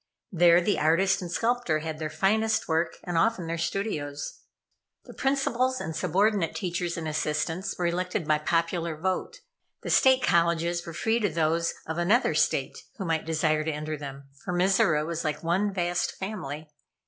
There the artist and sculptor had their finest work, and often their studios. The principals and subordinate teachers and assistants were elected by popular vote. The State Colleges were free to those of another State who might desire to enter them, for Mizora was like one vast family.